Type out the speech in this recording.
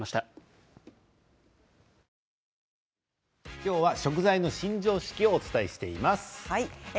今日は食材のシン・常識をお伝えしています。